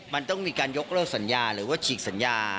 มันต้องมีการยกเลิกสัญญาหรือว่าฉีกสัญญา